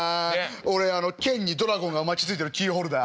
俺剣にドラゴンが巻きついてるキーホルダー。